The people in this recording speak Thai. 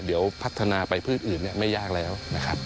เดี๋ยวพัฒนาไปพืชอื่นไม่ยากแล้วนะครับ